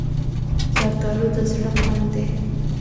زردالو د زړه خوند دی.